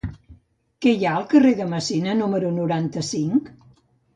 Què hi ha al carrer de Messina número noranta-cinc?